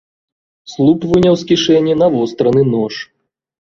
Слуп выняў з кішэні навостраны нож.